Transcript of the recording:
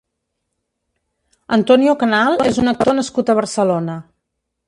Antonio Canal és un actor nascut a Barcelona.